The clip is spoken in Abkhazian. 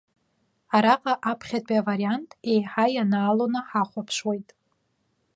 Араҟа аԥхьатәи авариант еиҳа ианаалоны ҳахәаԥшуеит.